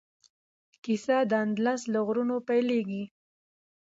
کیسه د اندلس له غرونو پیلیږي.